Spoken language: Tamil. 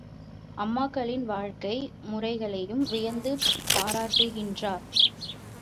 அம்மக்களின் வாழ்க்கை முறைகளையும் வியந்து பாராட்டுகின்றார்.